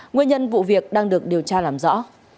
nguyên nhân vụ việc đang được điều tra làm rõ